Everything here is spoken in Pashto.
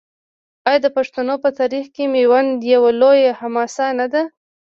آیا د پښتنو په تاریخ کې میوند یوه لویه حماسه نه ده؟